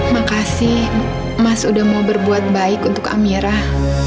makasih mas udah mau berbuat baik untuk amirah